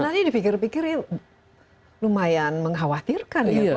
ini dipikir pikir ya lumayan mengkhawatirkan ya